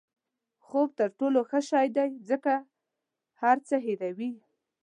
خوب تر ټولو ښه شی دی ځکه هر څه هیروي.